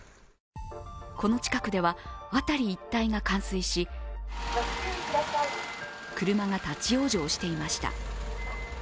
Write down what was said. この近くでは辺り一帯が冠水し車が立往生していました。